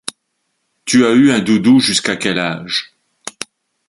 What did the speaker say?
Tu as eu un doudou jusqu'à quel âge ?